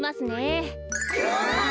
うわ！